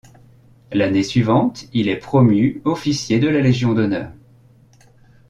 L’année suivante il est promu officier de la Légion d’honneur.